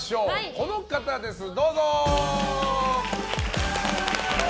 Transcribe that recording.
この方です、どうぞ！